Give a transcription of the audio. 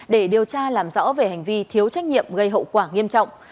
để điều tra làm rõ về hành vi thiếu trách nhiệm gây hậu quả nghiêm trọng